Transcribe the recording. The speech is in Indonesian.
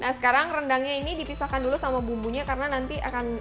nah sekarang rendangnya ini dipisahkan dulu sama bumbunya karena nanti akan